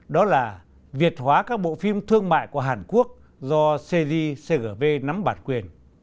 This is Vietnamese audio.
đó là việt hóa các bộ phim thương mại của hàn quốc do cgcgv nắm bản quyền